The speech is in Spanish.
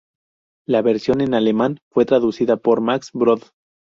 La versión en alemán fue traducida por Max Brod.